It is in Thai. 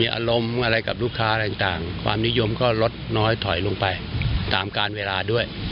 อารมณ์อะไรกับลูกค้าอะไรต่างความนิยมก็ลดน้อยถอยลงไปตามการเวลาด้วย